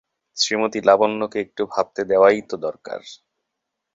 শ্রীমতী লাবণ্যকে একটু ভাবতে দেওয়াই তো দরকার।